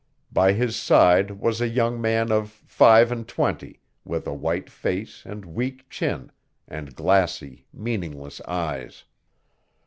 By his side was a young man of five and twenty with a white face and weak chin, and glassy, meaningless eyes.